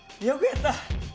よくやった。